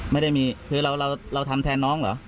ไม่ได้มีคือเราทำแทนน้องเหรอ